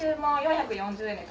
４４０円で。